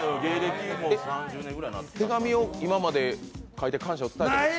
手紙を今まで書いて感謝を伝えたことは？